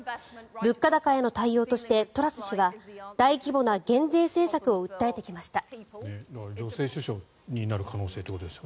物価高への対応としてトラス氏は大規模な減税政策を訴えてきました。